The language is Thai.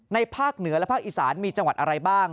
ภาคเหนือและภาคอีสานมีจังหวัดอะไรบ้าง